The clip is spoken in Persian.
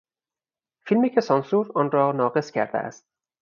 فیلمی که سانسور آن را ناقص کرده است